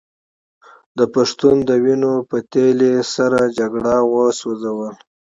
د پښتون د وینو په تېل یې سړه جګړه وسوځوله.